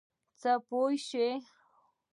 څه پوه شوې.